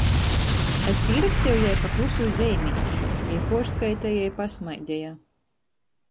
Es pīraksteju jai pa klusū zeimeiti. Jei puorskaiteja i pasmaideja.